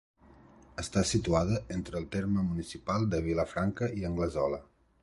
Està situada entre el terme municipal de Vilafranca i Anglesola.